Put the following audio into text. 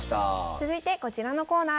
続いてこちらのコーナーです。